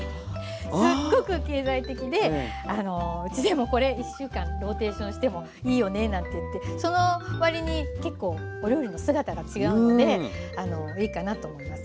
すっごく経済的でうちでもこれ１週間ローテーションしてもいいよねなんて言ってその割に結構お料理の姿が違うのでいいかなと思います。